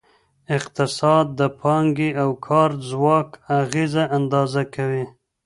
اقتصاد د پانګې او کار ځواک اغیزه اندازه کوي.